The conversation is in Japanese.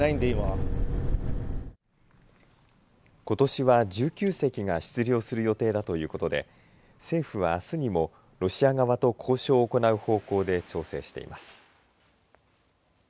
ことしは１９隻が出漁する予定だということで政府はあすにもロシア側と交渉を行う方向で調整しています。